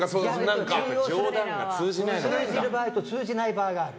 通じる場合と通じない場合がある。